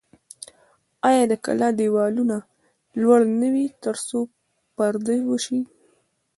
آیا د کلا دیوالونه لوړ نه وي ترڅو پرده وشي؟